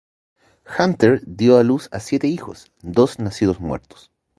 Hunter dio a luz a siete hijos, dos nacidos muertos.